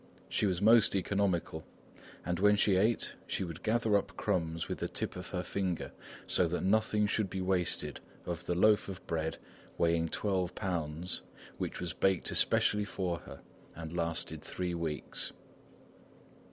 She was most economical, and when she ate she would gather up crumbs with the tip of her finger, so that nothing should be wasted of the loaf of bread weighing twelve pounds which was baked especially for her and lasted three weeks.